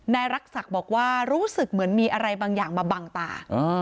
นายรักษักบอกว่ารู้สึกเหมือนมีอะไรบางอย่างมาบังตา